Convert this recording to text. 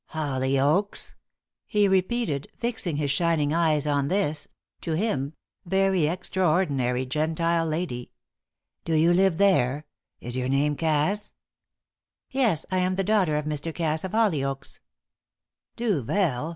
"Hollyoaks?" he repeated, fixing his shining eyes on this to him very extraordinary Gentile lady. "Do you live there? Is your name Cass?" "Yes; I am the daughter of Mr. Cass, of Hollyoaks." "Duvel!